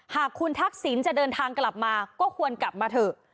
หากคุณทักษิณจะเดินทางกลับมาก็ควรกลับมาเถอะ